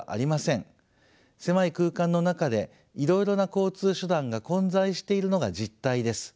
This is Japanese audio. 狭い空間の中でいろいろな交通手段が混在しているのが実態です。